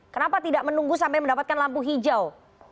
kenapa tidak menunggu sampai mendapatkan lampu hijau